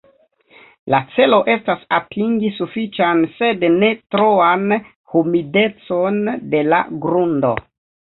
La celo estas atingi sufiĉan sed ne troan humidecon de la grundo.